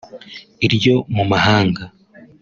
iryo mu mahanga